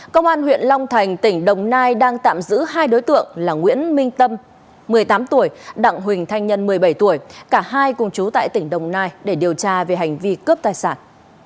công an huyện long thành tỉnh đồng nai đang tạm giữ hai đối tượng là nguyễn minh tâm một mươi tám tuổi đặng huỳnh thanh nhân một mươi bảy tuổi cả hai cùng chú tại tỉnh đồng nai để điều tra về hành vi cướp tài sản